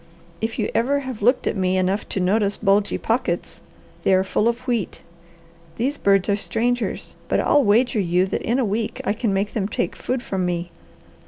If you ever have looked at me enough to notice bulgy pockets, they are full of wheat. These birds are strangers, but I'll wager you that in a week I can make them take food from me.